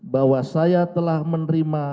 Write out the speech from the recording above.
bahwa saya telah menerima